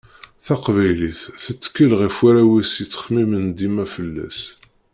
Taqbaylit tettkel ɣef warraw-is yettxemmimen dima fell-as.